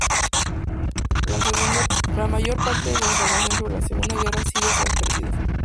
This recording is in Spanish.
La mayor parte de la información sobre la Segunda Guerra Siria se ha perdido.